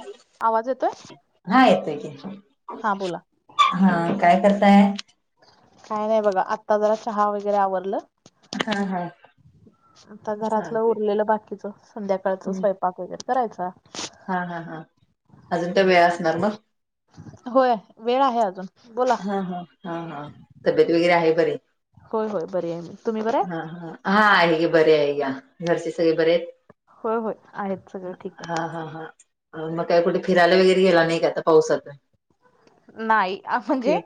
Hello आवाज येतोय. हा येतोय क हा बोला हा काय करताय - काय नाही बघा आत्ता जरा चहा वगैरे आवरलं! हा- हा आता घरातलं चालते उरलेलं बाकीच संध्याकाळच हम्म स्वयंपाक वगैरे करायचा - हा हा हा अजून तर वेळ असणार मग - होय वेळ आहे अजून बोला, ! हा हा हा हा तब्येत वगैरे आहे बर - होय- होय बरी आहे मी तुम्ही बर आहे. हा आहे की बरे आहे की घरचे सगळे बरे आहेत. होय -होय आहेत सगळं ठीक हा आहे. हा हा. मग काही कुठे फिरायला वगैरे गेला नाही का आता पावसाच नाही म्हणजे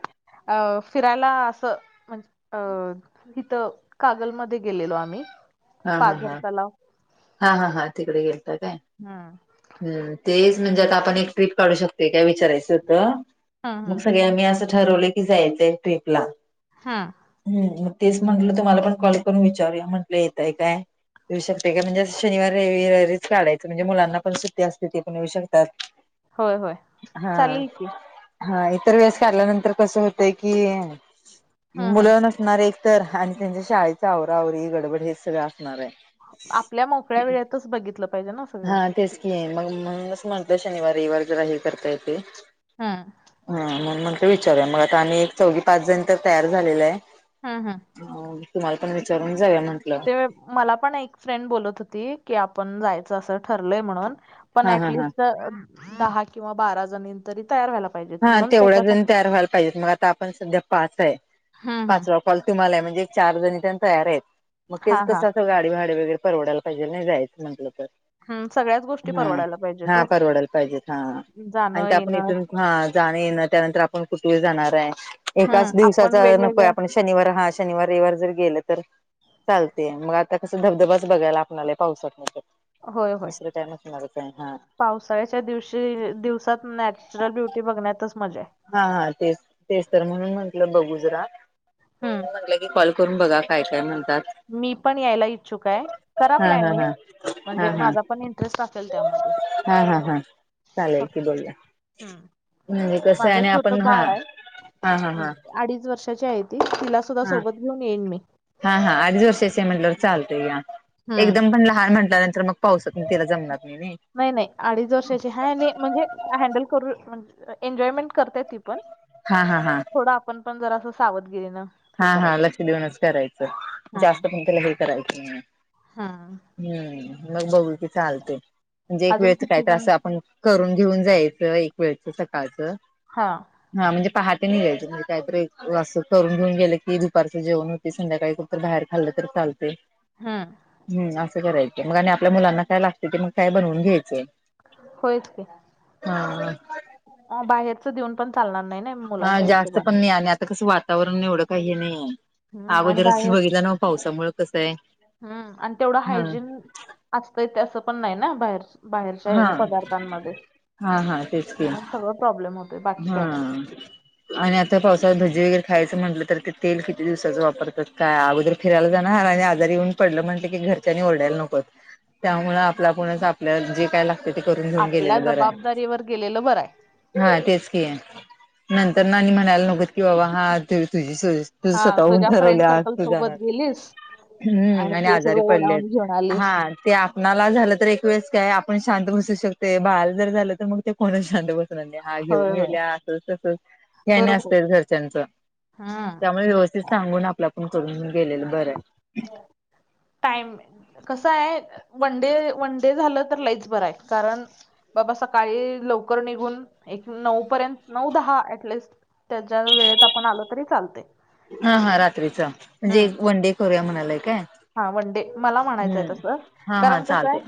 अ फिरायला असं म्हणजे अ इथं कागलमध्ये गेलेलो आम्ही हा हा पाझर हा तलाव हा हा हा तिकडे गेलता काय? हम्म हम्म तेच म्हणजे आता आपण एक ट्रीप काढू शकते काय विचारायचं होतं. हम्म मग हम्म सगळ मी असं ठरवले की जायचंय ट्रीपला हम. हम् मग तेच म्हंटलं तुम्हाला पण कॉल करून विचारूया म्हंटलं येतय काय? येऊ शकते का म्हणजे शनिवार रहिवारीच काढायचं म्हणजे मुलांना पण सुट्टी असते ते पण येऊ शकतात. होय होय हा. चालेल की हा इतर व्यास काढल्यानंतर कसं होतय की हम्म हम्म मुलं न असणार एक तर आणि त्यांच्या शाळेच आवरावरी गडबड हे सगळं असणार आहे. आपल्या मोकळ्या वेळेतच बघितलं पाहिजे ना! सगळं हा तेच की आहे मग मणून म्हणतय शनिवार रवार जरा हे करता येत. हम्म हा मण म्हटलं विचारूया मग आता आम्ही एक चौघी पाच जण तर तयार झालेला आहे. हा हा. तुम्हाला पण विचारून जाऊया म्हंटलं. ते मला पण एक फ्रेंड बोलत होती की आपण जायचं असं ठरलंय म्हणून पण हा हा हा टलिस्ट दहा किंवा बारा जणी तरी तयार व्हायला. पाहिजेत हा म्हणून तेवढ्या जण त्याच्यासाठी तयार व्हायला पाहिजेत मग आता आपण सध्या पाच आहे हम्म हम्म पाच वा. तुम्हाला म्हणजे चार जणी त्यां तयार आहेत मग तेच हा हा कसंं गाडी भाडे वगैरे परवडायला त्याजे नाही जायचं म्हटलं तर हम्म सगळ्याच गोष्टी हम परवडायला पाहिजेत हा ओ परवडायला पाहिजेत हा आणि जाणं ते आपण येणं इथून हा जाण ना त्यानंतर आपण कुठे जाणार आहे एकाच हम्म आपण दिवसाचा नको वेगवेगळ्या आपण शनिवार हा शनिवार रविवार जर गेलं तर- - चालते मग आता कसं धबधबाच बघायला आपल्याला पाऊसात नाही. होय होय तिसरं काही नसणारे पण ह. पावसाळ्याच्या दिवशी दिवसात नॅचरल ब्युटी बघण्यातच मजा आहे. हा हा तेच तेच तर म्हणून म्हंटलं बघुज हम्म म्हटलं की कॉल करून बघा काय काय म्हणतात. मी पण यायला इच्छुक आहे करा हा हा हा प्लॅनिंग हा म्हणजे हा माझा पण इंटरेस्ट असेल त्यामध्ये हा हा हा चालेलय फक्त- की बोलया. हम्म म्हजे कस आहे माझं आणि आपण छोटं हा बाळ आहे हा हा हा. अडीच वर्षाची आहे ती तिला सुद्धा हा सोबत घेऊन येईन मी हा हा अडीच वर्षाचे म्हटलंवर चालतय या हम्म एकदम ण लहान म्हटल्यानंतर मग पाऊसात तिला जमनात नाही. नाही नाही अडीच वर्षाची हा आणि म्हणजे हॅडल करू. एन्जॉयमेंट करता ती पण हा हा हा. थोडं आपण पण जरा असं सावधगिरीन हा हा लक्ष देऊनच करायचं जास्त हम्म पण त्याला हे करायचं नाही. हम्म हम्म मग बघू की चालते म्हणजे एक अजून वेळच काही किती जण तास आपण करून घेऊन जायचं एक वेळच सकाळचं. हा. हा म्हणजे पाहते नाही घ्यायचे म्हणजे कायतरी असं करून घेऊन गेलं की दुपारचं जेवण होती संध्याकाळी खूप बाहेर खाल्लं तर चालते्. हम्म कराय मग आणि आपल्या मुलांना काय लागते ते मग काय बनवून घ्यायचं. होयच की हा अ बाहेरच देऊन पण चालणार नाही ना हा मुलांच्या जास्त पण हिशोबानं नाही आणि आता कसं वातावरण एवढं काही नाही हम्म आणि अगोदरच बाहेर बघितला ना पावसामुळे कस आहे हा असतं इथ असं पण नाही ना बाहेर बाहेरच्या हा हे पदार्थांमध्ये हा हा तेच की म्हणून सगळ प्रॉब्लेम होत हा आणि आता पावसात भजी वगैरे खायचं म्हटलं तर ते तेल किती दिवसाच वापरतात काय अगोदर फिरायला जाणार ह आणि आजारी येऊन पडलं म्हटलं की घरच्यां ओरडायला नकोत त्यामुळ आपला पणच आपल्या जे काय लागते ते करून घेऊन आपल्या गेलेलं बरं जबाबदारीवर गेलेलं बरं आहे हा तेच की आहे नंतर ना म्हणायला नको कि बाबा हा तुझी तुझ हा स्वतःहऊन तुझ्या फ्रेंड ठरवल्या सर्कल तु सोबत जाणार गेलीस हम्म आणि ते आजारी सगळं पडले ओढावून घेऊन आहेत आलीस हा ते आपणाला झालं तर एक वेळेस काय आपण शांत बसू शकते बाळा जर झालं तर मग ते कोणा शांत बसणार नाही हा घेऊन होय होय गेल्या असं तसं हे आणि बरोबर असते घरच्यांच आहे हम्म त्यामुळे व्यवस्थित सांगून आपलं आपुन करून घेऊन गेलेल बर आहे टाईम कसं हाय वन डे वन डे झालं तर लईच बरं आहे कारण बाबा सकाळी लवकर निघून एक नऊ पर्यंत नऊ दहा ऍटलिस्ट ते ज्या वेळेत आपण आलो तरी चालते हा हा रात्रीचं म्हणजे हम्म वन डे करूया म्हणालाय काय हा वनडे मला म्हणायचंय हम्म तसं हा हा कारण कसं हाय चालतय.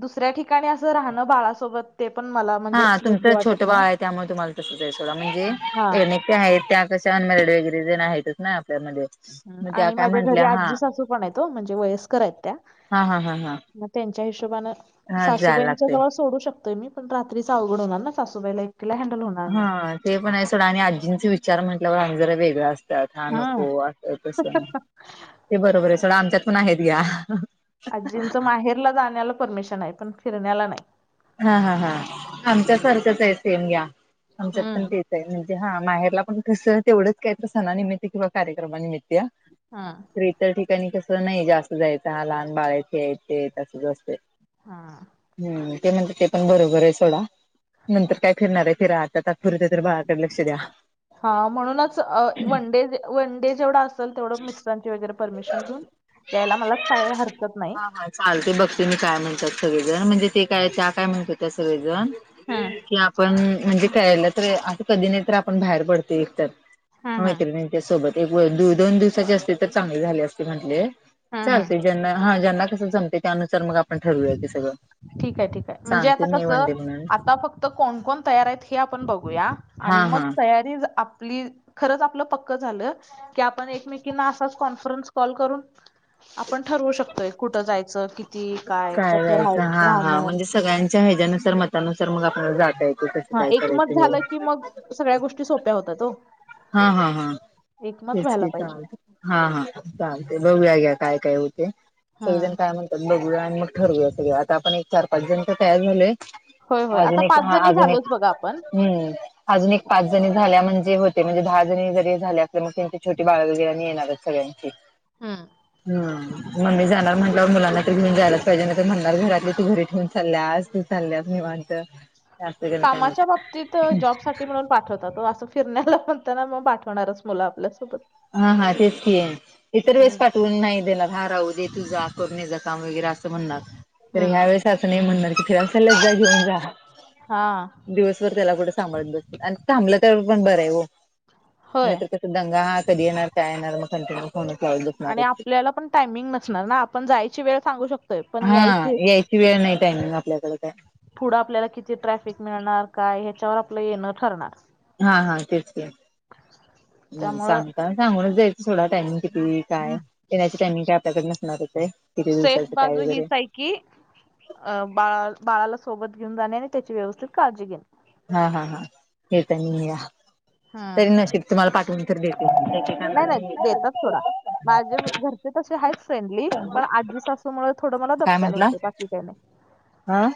दुसऱ्या ठिकाणी असं राहणं बाळासोबत ते पण मला हा म्हणजे योग्य तुमचं वाटत छोटं नाही बाळ हो. आहे त्यामुळे तुम्हाला तसंच आहे सोडा म्हणजे हा ते आहेत त्या [inaudible] वगैरे जण आहेतच ना आपल्यामध्ये हं मग त्या आणि काय माझ्या घरी म्हंटल्या हा आजी सासू पण आहेत ओ म्हणजे वयस्कर आहेत त्या हा हा हा हा मग त्यांच्या हिशोबनें हा जायला सासूबाईंच्या लागतय. जवळ सोडू शकतोय मी पण रात्री सावड होणार ना सासूबाईलाकडे हँडल होणार हा नाही. ते पण आहे सोडं आणि आजींचे विचार म्हटल्यावर आम् जरा वेगळां असत [inaudible] हां नको अस तसं ते बरोबर आहे सोडा आमच्यात पण आहेत घ्या आजींचं माहेरला जाण्याला परमिशन आहे पण फिरण्याला नाही हा हा हा आमच्यासारखंच आहे सेम घ्या आमच्यात पण हम्म ते म्हणजे हा माहेरला पण कसं तेवढंच काय तर सणानिमित्त किंवा कार्यक्रमानिमित्त हा इतर ठिकाणी कस नाही जास्त जायचं हा लहान बाळ हाय हे हाय ते हाय असंच असतय हा हम् ते म्हणते पण बरोबर आहे सोडा नंतर काय फिरणार आहे फिरा आता तात्पुरते तर बाळाकडे लक्ष द्या हा म्हणूनच वनडे वनडे जेवढा असेल तेवढं मिस्टराची वैगेरे पर परमिशन घेऊन यायला मला काय हरकत नाही हा हा चालते बघते मी काय म्हणतात सगळेजण म्हणजे ते काय त्या काय म्हणत होत्या सगळेजण हम्म कि आपण म्हणजे हम्म कळलं तर असं कधी नाही तर आपण बाहेर पडतो एकतर हम्म मैत्रिणींच्या सोबत एक दोन दिवसांची असते तर चांगली झाली असती म्हटले हम्म चालत हम्म. ज्यांना हा ज्यांना कसं जमते त्यानुसार मग आपण ठरवूया की सगळं ठीक आहे ठीक आहे म्हणजे सांगते आता मी वन कसं डे म्हणून आता फक्त कोण कोण तयार आहेत हे आपण बघूया हा आणि मग हा तयारी आपली खरंच आपलं पक्क झालं की आपण एकमेकींना असाच कॉन्फरन्स कॉल करून आपण ठरवू शकतोय कुठं जायचं कि काय जायचं हा हा म्हणजे सगळ्यांच्या हज्यानुसार मतानुसार मग आपल्याला जाता येते कसं हा काय एकमत करायचं हे. झालं की मग सगळ्या गोष्टी सोप्या होतात ओ हा हा हा एकमत तेच व्हायला की पाहिजे चालत हा हा चालतय बघूया घ्या काय काय होत सगळेजण हम्म काय म्हणतात बघूया आणि मग ठरवूया सगळं आता आपण एक चार पाच जणी तर तयार झालोय होय होय अजून आता एक पाच हा जणी अजून झालोच एक बघा आपण हम्म अजून एक पाच जणी झाल्या म्हणजे ते म्हणजे दहा जणी जरी झाले असले मग त्यांचे छोटी बाळ वगैरे येणारच सगळ्यांची हा हं मम्मी जाणार म्हटल्यावर मुलांना तरी घेऊन जायलाच पाहिजे ना म्हणणार घरातली ती घरी ठेवून चालल्यास चालल्यास निवांत [inaudible] कामाच्या बाबतीत जॉब साठी म्हणून पाठवतात ओ असं फिरण्या म्हणता ना मग पाठवणारच मुलं आपल्यासोबत हा हा तेच की इतर वेळेस हम्म पाठवून नाही देणार हा राहू दे तु जा करून येजा काम वगैरे असं म्हणणार [inaudible] तर ह्या वेळेस असं नाही म्हणणार की फिरायला चालल्यास जा घेऊन जा हा दिवसभर त्याला कुठे सांभाळत बसतील आणि थांबलं त्यावर पण बरं आहे हो होय नाहीर कस दंगा हा कधी येणार काय येणार मग कंटिन्युस होण्याची आवड बसणार आणि आपल्याला पण टायमिंग नसणार ना आपण जायची वेळ सांगू शकतो हा यायची वेळ नाही टायमिंग आपल्याकडे का पुढं आपल्याला किती ट्रॅफिक मिळणार काय ह्याच्यावर आपलं येणं ठरणार हा हा तेच घ् त्यामुळं सांगता सांगूनच जायच थोडा टायमिंग किती काय येण्याची टायमिंग काय आपल्याकडे नसणारच आहे किती सेफ दिवसाचं काय बाजू वगैरे हीच आहे की बाळा बाळाला सोबत घेऊन जाणे आणि त्याची व्यवस्थित काळजी घेणे हा हा हा हे तर नाही या हा तरी नशिक तुम्हाला पाठवून तर भेटे नाही नाही देतात थोडा माझे घरचे तसे आहेतच फ्रेंडली पण आजी सासूमुळे थोडं मला धपकायला होतें बाकी काही [inaudible] आह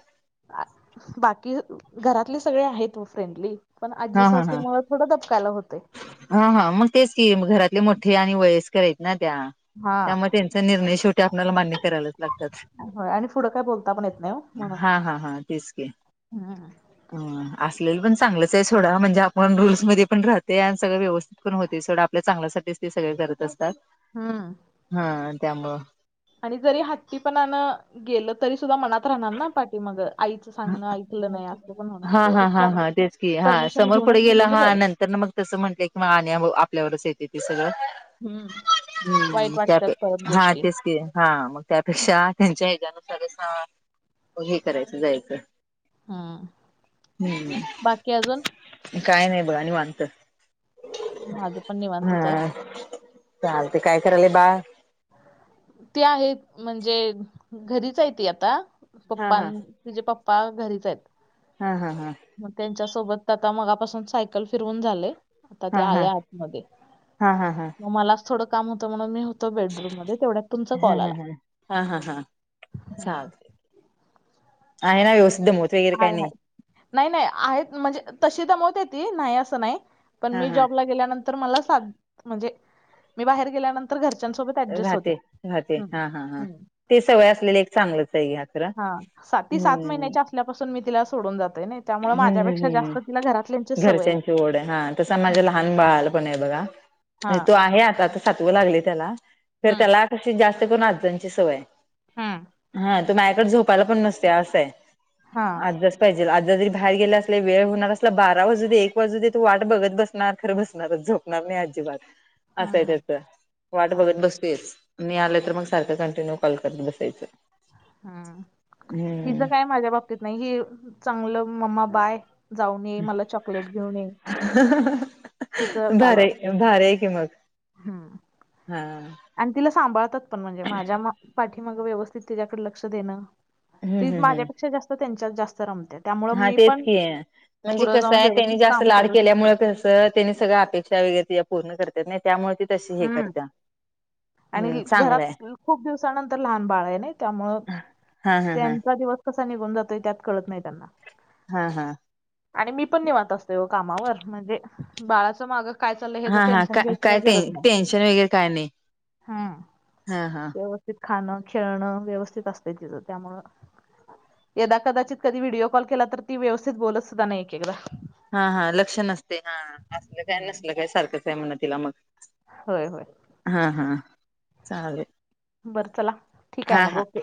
बाकी घरातले सगळे आहेत फ्रेंडली पण आज्जी हा हा हा सासूमुळं थोडं दबकायला होतंय हा हा मग तेच की घरातले मोठे आणि वयस्कर आहेत ना त्या हा त्यामुळे निर्णय शेवटी आपल्याला मान्य करायलाच लागत्यात होय आणि पुढं काय बोलता पण येत नाही म्हणून हा हा हा तेच की हम् ह असलेलं पण चांगलंच आहे थोडा म्हणजे आपण रूल्समध्येध्ये पण राहते आणि सगळं व्यवस्थित ण होते सडं आपल्या चांगल्यासाठीठीच ते सगळे करत असतात हा हा त्यामुळं आणि जरी हात्टी पण गेलं तरी सुद्धा मनात राहणार ना पाठीी मग हा हा हा त्यापेक्षा हा तेच की हा परमिशन समोर पुढे घेऊनच गेला गेलेलं हा बरं. नंतर मग तसं म्हटलंय की मग आणि आपल्यावरच येते सगळं हम्म. वाईट हम्म त्या वाटतात प परत हा गोष्टी. तेच हा मग त्यापेक्षा त्यांच्या हच्याानुसार असं हे करायचं जायचं हम्म. बाकी अजून हम्म काय नाही बघ आणि मानत माझं पण निवांतच आहे हम चालतय काय करायल बा ते आहेत म्हणजे घरीच आहे त आता हा पप्प हा तिझे पप्पा घरीच आहेत हा हा हा मग त्यांच्यासोबत आता मगापासून सायकल फिरवून झाले आता ते हा हा आल्या आतमध्येध्ये हा हा हा हा मग मला थोडं काम होत म्हणून मी होतो बेडरूमध्ये तेव्या तुमचा कॉल आला हा हा हा हा ग हम्म. आहेय ना व्यवस्थध मो हय हय नाही नाही आहेत म्हणजे तशी दमत येती नाही असं नाही पण हा मी हा जॉबला गेल्यानंतर मला साध्य म्हणजे मी बाहेर गेल्यानंतर तर घरच्यांसोबत ऍडजस्ट राहते राहते हा हा हा होत्या ते सगळं असलेले एक चांगलंच आहे खरं हा सी सात हम्म महिन्याच्या असल्यापासून मी तिला सोडून जातय ना त्यामुळे माझ्यापेक्षा हम्म जास्त तिला घरातल्यांची हम् सवय घरच्यांची ओढ आहे हा तस माझा हम्म. लहान पण बा हा म्हे तो आहे आ सव लागली त्या हम्म. त्याला अशी जास्त करण आजांची सवय हम्म. हा तू मायाकडे झोपायला पण नसते असंय. हा अ्याच पाहिजे अ बाहेर गेले असले वेळ होणार असला बारा वाजू एक वाजू तू वाट बघत बसणार खरं बसणारच झोपणार नाही अजिबात हम्म. असाय हम्म. त्याच वाट बघत हम्म. बसतेयच मी आलं तर मग सारखं कंटिन्यू कॉल करत बसायचं हम् हिचं हम्म काय माझ्या बाबतीत नाही हि चांगलं मम्मा बाय, जाऊन येे मला चॉकलेट घेऊन ये तिचं चालू भार असतं. भार कि मग हम्म. हा आणि तिला सांभाळतात पण म्हणजे माझ्या पाठी मग व्यवस्थित तिच्याकडे लक्ष देणं. हम्म ती हम्म हम्म माझ्यापेक्षा जास्त त्यांच्यात जास्त रमते त्यामुळं हा मी तेच पण की आहे म्हणजे पुढं कसं जाऊन आहे त्यानी व्यवस्थित जास्त काम लाड करू शकते. केल्यामुळे कस. त्यानी सगळ्या अपेक्षा वगर पूर्ण करतात नाही त्यामुळे त तशी हे हम्म. करत. आणि घरात खूप दिवसानंतर लहान बाळ आहे नाही त्यामुळ. हा हा हा त्यांचा दिवस कसा निघून जातोय त्यात कळत नाही त्यांना. हा हा. आणि मी पण निेवात असतेो व कामावर म्हणजे बाळाच माग. हा हा का काय टेन्शन वगैरे काय नाही हा हा. खां खेळणं व्यवस्थित असते तिथ. त्यामु यदा कदाचित कधी व्हिडिओ कॉल केला तर ती व्यवस्थित बोलत सुद्धा नाही एकदा. हा हा लक्ष नसते हा असलं काय नसल काय सारखंच आहे म्हणणा तिला मग. होय होय, हा हा चाले बरं चला ठीक आहे मग ओके,